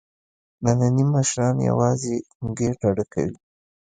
نني مشران یوازې ګېډه ډکوي.